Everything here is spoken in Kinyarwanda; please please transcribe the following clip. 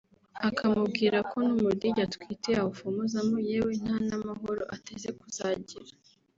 akamubwira ko n’umudigi atwite yawufomozamo yewe nta n’amahoro ateze kuzagira